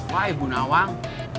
wah ibu nawang